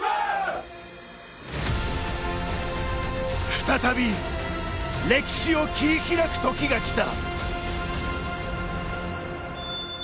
再び、歴史を切り開く時がきた。